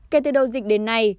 kể từ đầu dịch đến nay